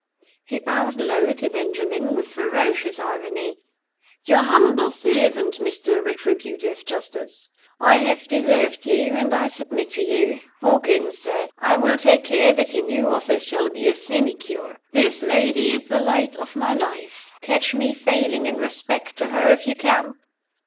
He bowed low to Benjamin, with ferocious irony. "Your humble servant, Mr. Retributive Justice! I have deserved you and I submit to you. Walk in, sir! I will take care that your new office shall be a sinecure. This lady is the Light of my Life. Catch me failing in respect to her if you can!"